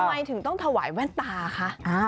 ทำไมถึงต้องถวายแว่นตาคะ